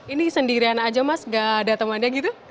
ini sendirian aja mas gak ada temannya gitu